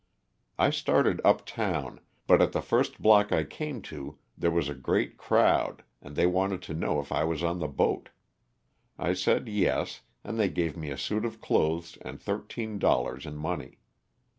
I started up town, but at the first block I came to there was a great crowd and they wanted to know if I was on the boat. I said yes, and they gave me a suit of clothes and thirteen dollars in money.